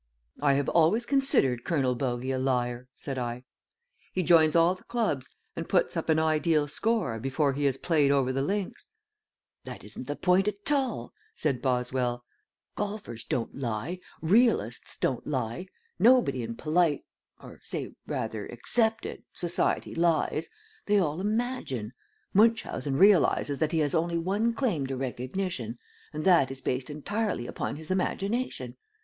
"I have always considered Colonel Bogey a liar," said I. "He joins all the clubs and puts up an ideal score before he has played over the links." "That isn't the point at all," said Boswell. "Golfers don't lie. Realists don't lie. Nobody in polite or say, rather, accepted society lies. They all imagine. Munchausen realizes that he has only one claim to recognition, and that is based entirely upon his imagination.